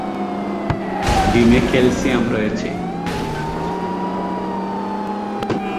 ডিমে ক্যালসিয়াম রয়েছে।